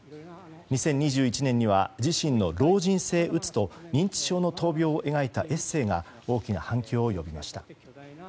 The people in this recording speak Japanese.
２０２１年には自身の老人性うつと認知症の闘病を描いたエッセーが大きな反響を呼びました。